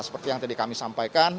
seperti yang tadi kami sampaikan